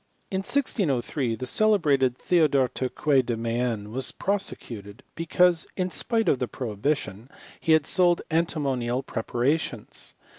In 1603 the celebrated Theodore Turquet de Mayenne was prosecuted, be cause, in spite of the prohibition, he had sold antimo nial preparations.